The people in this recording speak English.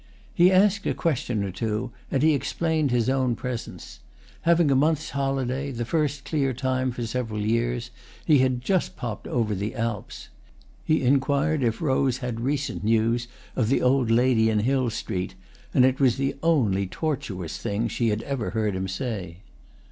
He asked a question or two and he explained his own presence: having a month's holiday, the first clear time for several years, he had just popped over the Alps. He inquired if Rose had recent news of the old lady in Hill Street, and it was the only tortuous thing she had ever heard him say.